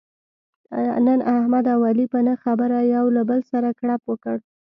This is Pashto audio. نن احمد او علي په نه خبره یو له بل سره کړپ وکړ.